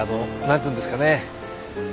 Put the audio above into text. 何ていうんですかね。